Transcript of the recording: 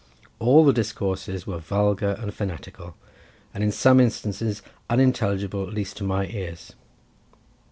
All the discourses were vulgar and fanatical, and in some instances unintelligible, at least to my ears.